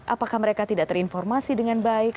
apakah mereka tidak terinformasi dengan baik